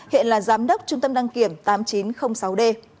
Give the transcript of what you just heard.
hiện là giám đốc trung tâm đăng kiểm tám nghìn chín trăm linh sáu d